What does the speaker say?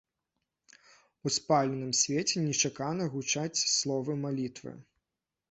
У спаленым свеце нечакана гучаць словы малітвы.